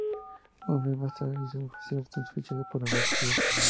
Un mes más tarde se hizo oficial su fichaje por la Real Sociedad.